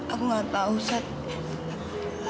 aku nggak tahu seth